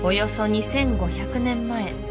２５００年前